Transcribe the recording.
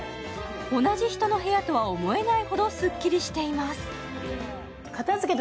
同じ人の部屋とは思えないほどすっきりしています。